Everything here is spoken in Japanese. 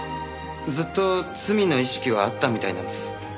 ずっと罪の意識はあったみたいなんです。